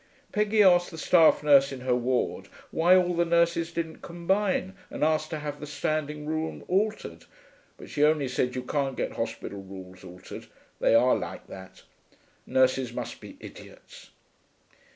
Peggy asked the staff nurse in her ward why all the nurses didn't combine and ask to have the standing rule altered, but she only said you can't get hospital rules altered, they are like that. Nurses must be idiots....'